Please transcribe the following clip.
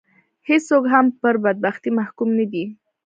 هېڅوک هم پر بدبختي محکوم نه دي